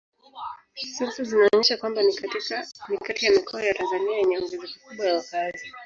Sensa zinaonyesha kwamba ni kati ya mikoa ya Tanzania yenye ongezeko kubwa la wakazi.